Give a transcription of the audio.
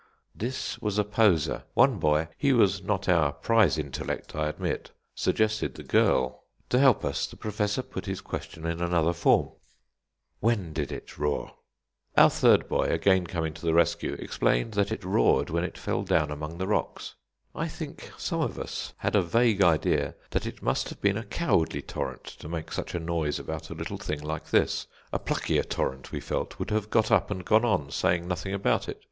This was a poser. One boy he was not our prize intellect, I admit suggested the girl. To help us the Professor put his question in another form: "When did it roar?" Our third boy, again coming to the rescue, explained that it roared when it fell down among the rocks. I think some of us had a vague idea that it must have been a cowardly torrent to make such a noise about a little thing like this; a pluckier torrent, we felt, would have got up and gone on, saying nothing about it.